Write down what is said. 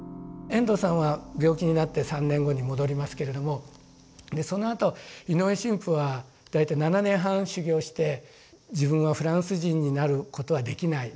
遠藤さんは病気になって３年後に戻りますけれどもそのあと井上神父は大体７年半修行して「自分はフランス人になることはできない。